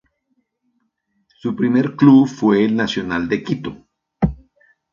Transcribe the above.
Su primer club fue El Nacional de Quito.